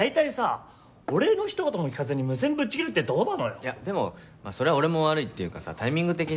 いやでもそれは俺も悪いっていうかさタイミング的に。